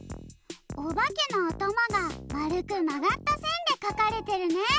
おばけのあたまがまるくまがったせんでかかれてるね。